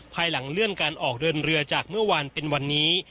ภายหลังเลื่อนการออกเดินเรือจากเมื่อวานเป็นวันนี้